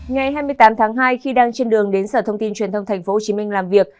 ngày hai mươi tám tháng hai khi đang trên đường đến sở thông tin truyền thông tp hcm làm việc